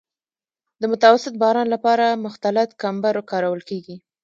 د متوسط باران لپاره مختلط کمبر کارول کیږي